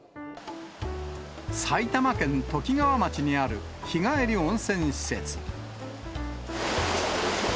埼玉県ときがわ町にある、日帰り温泉施設。